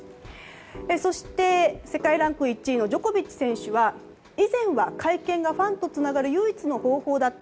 そして、世界ランク１位のジョコビッチ選手は以前は会見がファンとつながる唯一の方法だった。